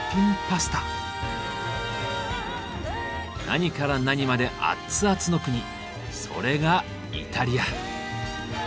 何から何までアッツアツの国それがイタリア！